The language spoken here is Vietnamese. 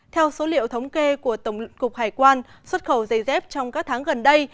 theo số liệu thống kê của tổng lượng cục hải quan xuất khẩu dây dép trong các tháng gần đây